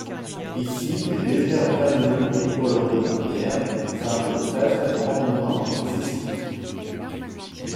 Ici les légères cannelures des colonnes de pierre semblent presque un ornement excessif.